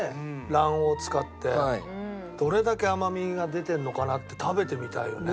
卵黄を使ってどれだけ甘みが出てるのかなって食べてみたいよね。